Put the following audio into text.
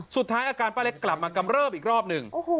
สุดท้ายอาการป้าเล็กกลับมากำเริบอีกรอบหนึ่ง